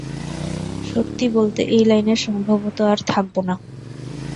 সত্যি বলতে, এই লাইনে সম্ভবত আর থাকবো না।